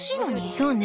そうね。